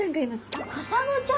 あっカサゴちゃん。